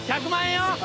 １００万円よ！